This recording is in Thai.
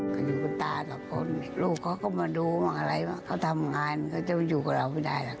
ก็อยู่กับตาทรลูกเขาก็มาดูอะไรเพราะเขาทำงานก็จะอยู่กับเราไม่ได้ทำกิน